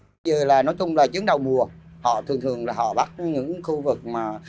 bây giờ nói chung là trước đầu mùa thường thường họ bắt những khu vực